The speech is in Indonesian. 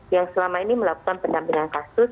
yang selama ini melakukan pendampingan kasus